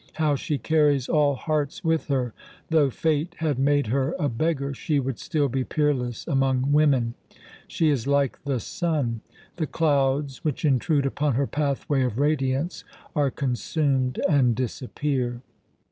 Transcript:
How she carries all hearts with her! Though Fate had made her a beggar, she would still be peerless among women. She is like the sun. The clouds which intrude upon her pathway of radiance are consumed and disappear."